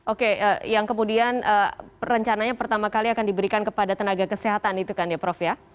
oke yang kemudian rencananya pertama kali akan diberikan kepada tenaga kesehatan itu kan ya prof ya